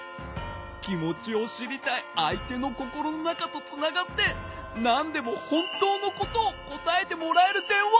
きもちをしりたいあいてのこころのなかとつながってなんでもほんとうのことをこたえてもらえるでんわ。